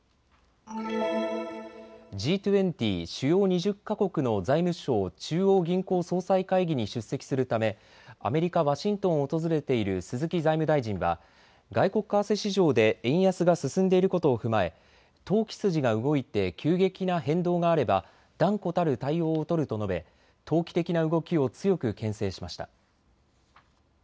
Ｇ２０・主要２０か国の財務相・中央銀行総裁会議に出席するためアメリカ・ワシントンを訪れている鈴木財務大臣は外国為替市場で円安が進んでいることを踏まえ投機筋が動いて急激な変動があれば断固たる対応を取ると述べ投機的な動きを強くけん制しました。